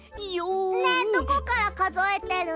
ねえどこからかぞえてるの？